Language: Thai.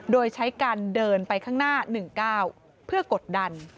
โดยใช้การเดินไปข้างหน้า๑๙เพื่อกดดัน